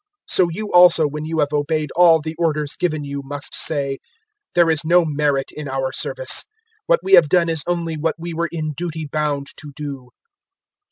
017:010 So you also, when you have obeyed all the orders given you, must say, "`There is no merit in our service: what we have done is only what we were in duty bound to do.'"